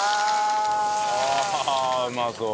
ああうまそう！